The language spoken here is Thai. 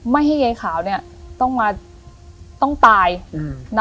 ไม่ให้เยยขาวเนี้ยต้องมาต้องตายอืม